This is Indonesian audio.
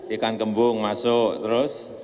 ikan kembung masuk terus